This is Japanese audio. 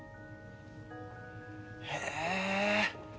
へえ。